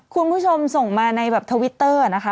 คุณผู้ชมส่งมาในแบบทวิตเตอร์นะคะ